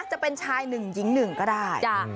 จะเป็นชาย๑หญิง๑ก็ได้